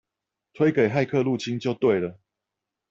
推給「駭客入侵」就對了！